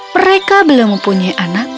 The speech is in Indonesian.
mereka belum mempunyai anak